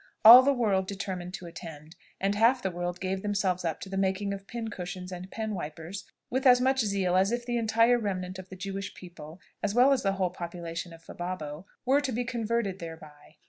All the world determined to attend; and half the world gave themselves up to the making of pincushions and pen wipers with as much zeal as if the entire remnant of the Jewish people, as well as the whole population of Fababo, were to be converted thereby.